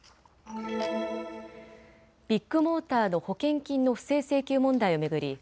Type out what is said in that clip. ビッグモーターの保険金の不正請求問題を巡り